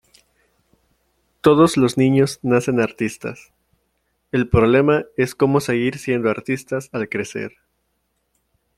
Todos los niños nacen artistas. El problema es cómo seguir siendo artistas al crecer.